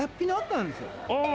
ああ。